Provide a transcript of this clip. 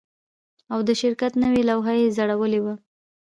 او د شرکت نوې لوحه یې ځړولې وه